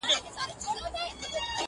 o د زوم خاوره د خسر له سره اخيسته کېږي.